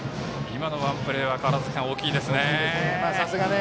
今のワンプレーは大きいですね。